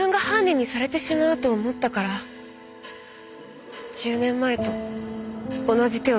自分が犯人にされてしまうと思ったから１０年前と同じ手を使いました。